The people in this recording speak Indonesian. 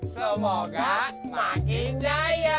semoga makin jaya